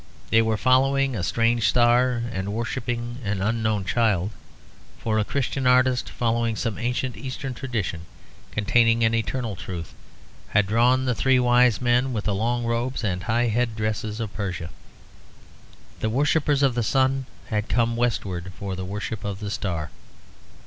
They were following a strange star and worshipping an unknown child. For a Christian artist, following some ancient Eastern tradition containing an eternal truth, had drawn the three wise men with the long robes and high head dresses of Persia. The worshippers of the sun had come westward for the worship of the star.